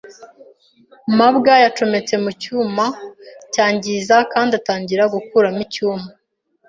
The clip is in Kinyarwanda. mabwa yacometse mu cyuma cyangiza kandi atangira gukuramo icyumba.